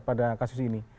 pada kasus ini